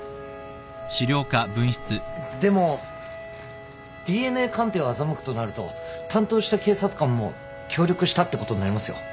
でもＤＮＡ鑑定を欺くとなると担当した警察官も協力したってことになりますよ。